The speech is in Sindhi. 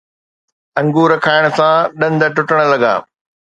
انگور کائڻ سان ڏند ٽٽڻ لڳا